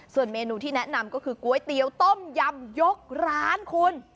ส่วนเมนูที่แนะนำก็คือก๋วยเตี๋ยวต้มยำยกร้านคุณ